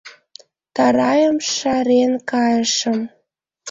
Тарайым шарен кайышым;